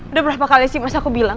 udah berapa kali sih mas aku bilang